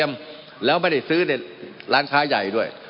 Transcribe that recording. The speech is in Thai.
มันมีมาต่อเนื่องมีเหตุการณ์ที่ไม่เคยเกิดขึ้น